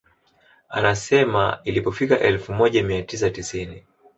Anasema ilipofika elfu moja mia tisa tisini